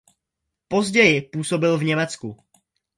Později působil v Německu.